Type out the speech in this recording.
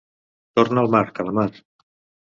Torna al mar, calamar.